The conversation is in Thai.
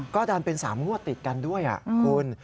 ก็ดันเป็น๓งวดติดกันด้วยคุณ